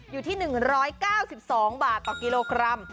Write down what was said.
อยู่ที่๑๙๒บาทต่อกิโลกรัม